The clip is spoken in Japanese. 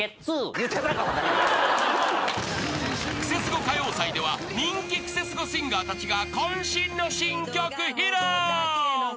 ［クセスゴ歌謡祭では人気クセスゴシンガーたちが渾身の新曲披露］